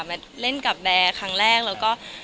มาเล่นกับแบร์ครั้งแรกแล้วก็